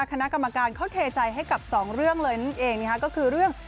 คณะกรรมการเขาเทใจให้กับสองเรื่องเลยนั่นเองก็คือเรื่อง